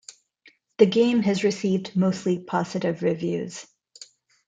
The game has received mostly positive reviews.